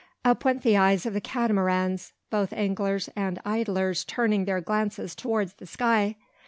Up went the eyes of the Catamarans, both anglers and idlers turning their glances towards the sky.